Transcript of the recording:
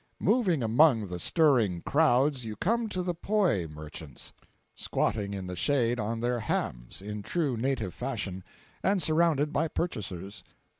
Moving among the stirring crowds, you come to the poi merchants, squatting in the shade on their hams, in true native fashion, and surrounded by purchasers.